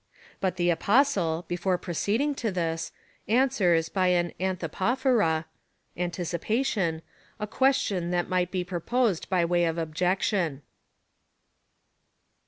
But the Apostle, before proceeding to this, answers by an anthypophora^ (anticipa tion) a question that might be proposed by way of objection.